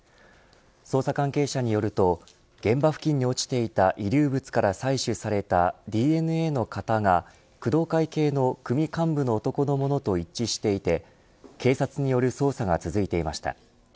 捜査関係者によると現場付近に落ちていた遺留物から採取されたＤＮＡの型が工藤会系の組幹部の男のものと一致していて警察による捜査が続いていました。